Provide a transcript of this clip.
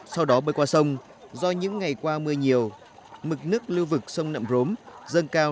sau đó bơi qua sông do những ngày qua mưa nhiều mực nước lưu vực sông nậm rốm dâng cao